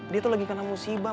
dia tuh lagi kena musibah